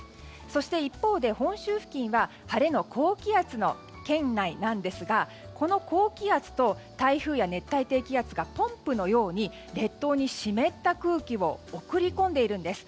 そして一方で本州付近は晴れの高気圧の圏内なんですがこの高気圧と台風や熱帯低気圧がポンプのように列島に湿った空気を送り込んでいるんです。